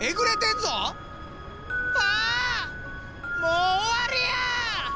もう終わりや！